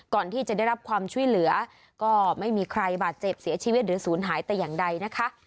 ก่อนที่จะได้รับความช่วยเหลือก็ไม่มีใครบาดเจ็บเสียชีวิตหรือศูนย์หายแต่อย่างใดนะคะ